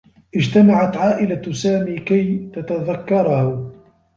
اجتمعت عائلة سامي كي تتذكّره.